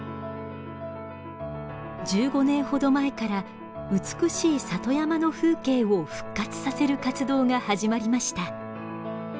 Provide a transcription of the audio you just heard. １５年ほど前から美しい里山の風景を復活させる活動が始まりました。